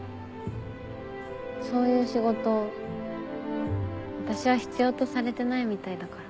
そういう仕事私は必要とされてないみたいだから。